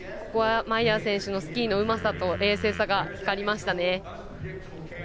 マイヤー選手のスキーのうまさと冷静さが光りましたね。